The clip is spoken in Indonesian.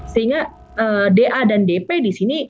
sehingga da dan dp di sini